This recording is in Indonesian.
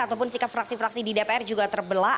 ataupun sikap fraksi fraksi di dpr juga terbelah